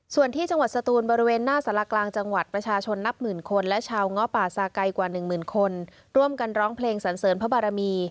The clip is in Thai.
ส่วนที่จังหวัดสตูนบริเวณหน้าสารกลางจังหวัดประชาชนนับหมื่นคนและชาวง้อป่าซาไก่กว่าหนึ่งหมื่นคนร่วมกันร้องเพลงสันเสริญพระบารมี